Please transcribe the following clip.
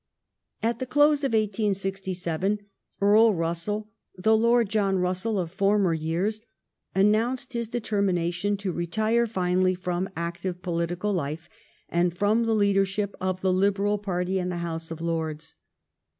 GLADSTONE SUPPORTS POPULAR SUFFRAGE 265 At the close of 1867, Earl Russell, the Lord John Russell of former years, announced his de termination to retire finally from active politi cal life and from the leadership of the Liberal party in the House of Lords.